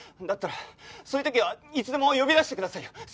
だったらそういう時はいつでも呼び出してくださいよ。